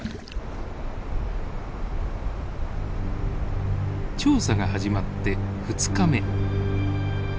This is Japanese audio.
調査が始まって２日目。